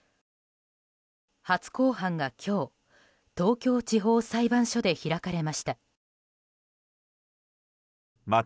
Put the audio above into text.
初公判が今日東京地方裁判所で開かれました。